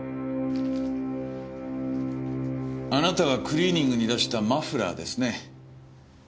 あなたがクリーニングに出したマフラーですね？